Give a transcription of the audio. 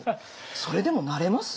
それでもなれます？